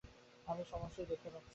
আমি সমস্তই দেখতে পাচ্ছি।